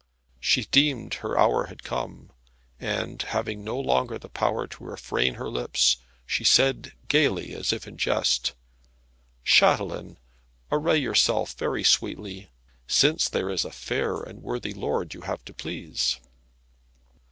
She deemed her hour had come, and having no longer the power to refrain her lips, she said gaily, as if in jest, "Chatelaine, array yourself very sweetly, since there is a fair and worthy lord you have to please."